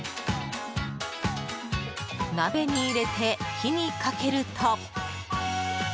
鍋に入れて火にかけると。